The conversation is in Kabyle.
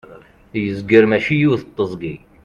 yezger mačči yiwet teẓgi